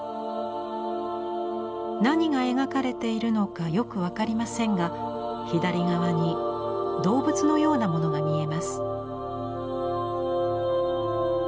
何が描かれているのかよく分かりませんが左側に動物のようなものが見えます。